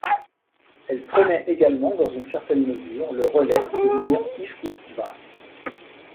Elle prenait également, dans une certaine mesure, le relais de Mir iskousstva.